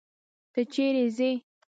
ته چيري ځې.